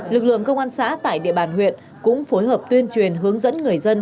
lực lượng công an xã tại địa bàn huyện cũng phối hợp tuyên truyền hướng dẫn người dân